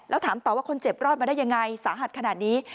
แล้วถามต่อว่าคนเจ็บรอดมาได้ยังไงสาหัสขนาดนี้